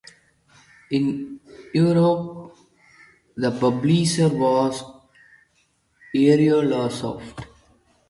In Europe the publisher was Ariolasoft.